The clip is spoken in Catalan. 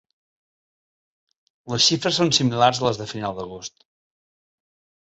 Les xifres són similars a les de final d’agost.